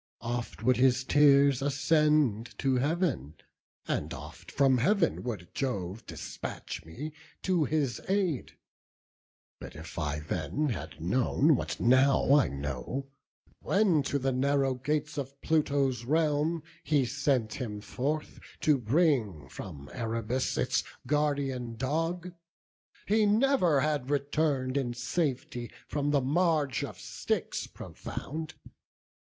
Oft would his tears ascend to Heav'n, and oft From Heav'n would Jove despatch me to his aid; But if I then had known what now I know, When to the narrow gates of Pluto's realm He sent him forth to bring from Erebus Its guardian dog, he never had return'd In safety from the marge of Styx profound.